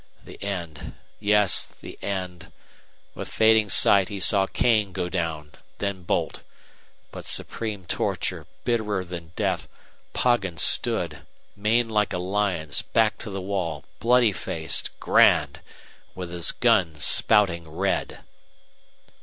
The end; yes, the end! With fading sight he saw Kane go down, then Boldt. But supreme torture, bitterer than death, Poggin stood, mane like a lion's, back to the wall, bloody faced, grand, with his guns spouting red!